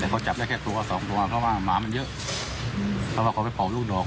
แต่เขาจับได้แค่ตัวสองตัวเพราะว่าหมามันเยอะเพราะว่าเขาไปเผาลูกดอก